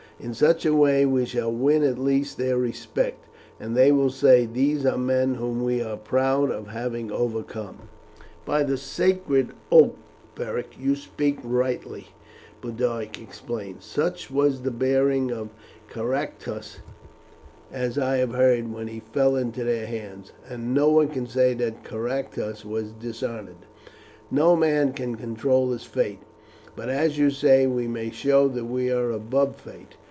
In such a way we shall win at least their respect, and they will say these are men whom we are proud of having overcome." "By the sacred oak, Beric, you speak rightly," Boduoc exclaimed. "Such was the bearing of Caractacus, as I have heard, when he fell into their hands, and no one can say that Caractacus was dishonoured. No man can control his fate; but, as you say, we may show that we are above fate.